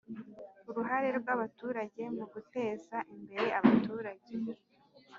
Uruhare rw abaturage mu guteza imbere abaturage